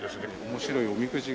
面白いおみくじが。